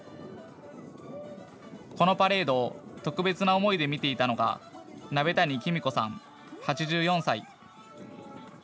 このパレードを特別な思いで見ていたのが鍋谷公子さん、８４歳。